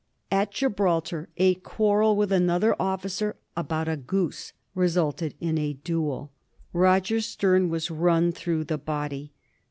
At Gibraltar a quarrel with another officer " about a goose " resulted in a duel. Roger Sterne was run through the body.